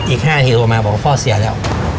อีก๕ทีโอมาบอกว่าพ่อเสียแล้ว